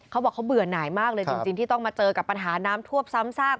เขาบอกเขาเบื่อหน่ายมากเลยจริงที่ต้องมาเจอกับปัญหาน้ำท่วมซ้ำซาก